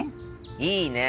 いいねえ。